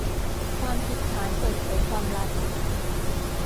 ความผิดฐานเปิดเผยความลับ